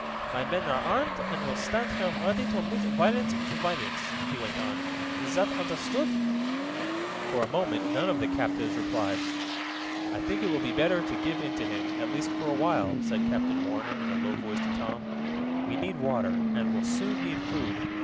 "My men are armed, and will stand here ready to meet violence with violence," he went on. "Is that understood?" For a moment none of the captives replied. "I think it will be better to give in to him at least for a while," said Captain Warner in a low voice to Tom. "We need water, and will soon need food.